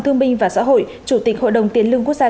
thương binh và xã hội chủ tịch hội đồng tiền lương quốc gia